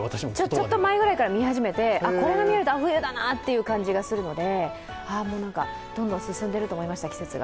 ちょっと前ぐらいから見始めて、これが見えると、あっ、冬だなっていう感じがするのでもうなんか、どんどん季節が進んでると思いました。